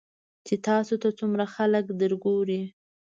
چې تاسو ته څومره خلک درګوري .